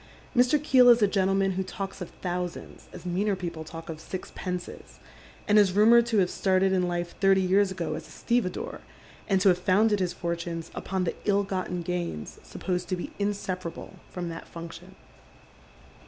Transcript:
Mr. Keel is a gentleman who talks of thousands as nieaner people talk of sixpences, and is rumoured to have started in life thirty years ago as a stevedore, and to have founded his iortunes upon the ill gotten gains supposed to be inseparable Irom that function.